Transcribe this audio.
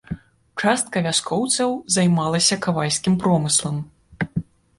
Частка вяскоўцаў займалася кавальскім промыслам.